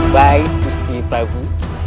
baik ustri prabu